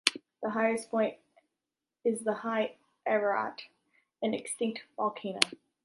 The highest point is the high Ararat, an extinct volcano.